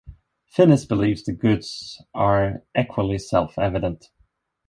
Finnis believes the goods are equally self-evident.